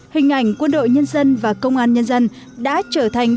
hình ảnh quân đội nhân dân và công an nhân dân đã trở thành